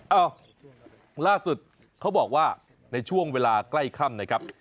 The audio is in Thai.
เอ้าล่าสุดเขาบอกว่าในช่วงเวลาใกล้ค่ำนะครับ